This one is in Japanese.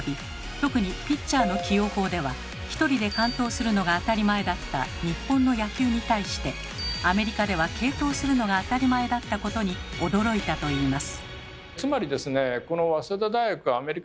特にピッチャーの起用法では１人で完投するのが当たり前だった日本の野球に対してアメリカでは継投するのが当たり前だったことに驚いたといいます。